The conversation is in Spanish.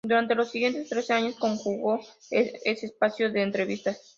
Durante los siguientes trece años condujo ese espacio de entrevistas.